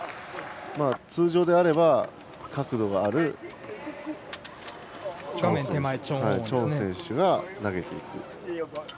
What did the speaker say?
通常であれば角度があるチョン選手が投げていく。